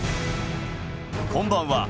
こんばんは。